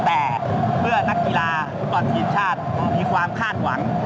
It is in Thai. แต่เพื่อนักกีฬาฟุตบอลทีมชาติมีความคาดหวัง